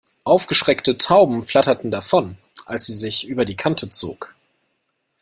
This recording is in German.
Aufgeschreckte Tauben flatterten davon, als sie sich über die Kante zog.